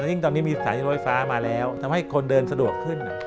ยิ่งตอนนี้มีสายรถไฟฟ้ามาแล้วทำให้คนเดินสะดวกขึ้น